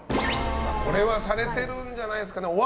これはされてるんじゃないですかね。